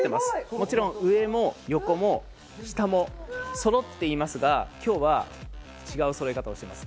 もちろん上も横も下もそろっていますが今日は違うそろえ方をします。